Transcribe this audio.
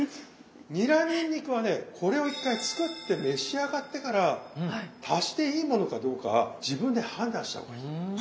ニラにんにくはねこれを１回作って召し上がってから足していいものかどうか自分で判断した方がいい。